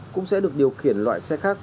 cũng sẽ được điều khiển loại xe khác